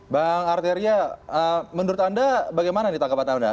bang arteria menurut anda bagaimana nih tanggapan anda